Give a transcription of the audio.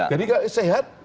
jadi kalau sehat